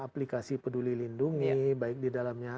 aplikasi peduli lindungi baik di dalamnya